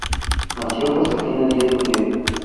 Nacio Josefina Diaz Miguel